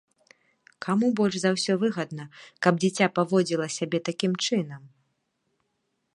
Каму больш за ўсё выгадна, каб дзіця паводзіла сябе такім чынам?